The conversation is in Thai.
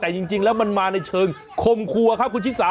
แต่จริงแล้วมันมาในเชิงคมครัวครับคุณชิสา